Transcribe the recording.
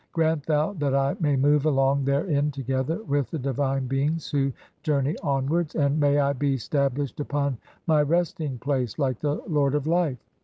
Grant thou that I may move along therein "(9) together with the divine beings who journey onwards, and "may I be stablished upon my resting place like the Lord of "Life.